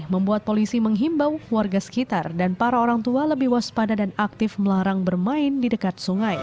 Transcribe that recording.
membuat polisi menghimbau warga sekitar dan para orang tua lebih waspada dan aktif melarang bermain di dekat sungai